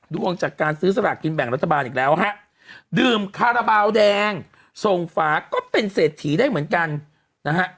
ดวงจากการซื้อสลากกินแบ่งรัฐบาลอีกแล้วฮะดื่มคาราบาลแดงส่งฝาก็เป็นเศรษฐีได้เหมือนกันนะฮะ